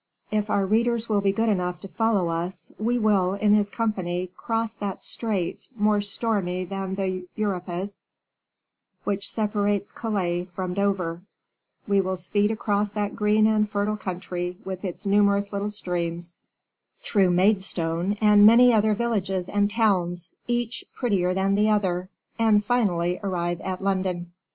If our readers will be good enough to follow us, we will, in his company, cross that strait, more stormy than the Euripus, which separates Calais from Dover; we will speed across that green and fertile country, with its numerous little streams; through Maidstone, and many other villages and towns, each prettier than the other; and, finally, arrive at London.